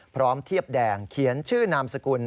พร้อมเทียบแดงเขียนชื่อนามสกุล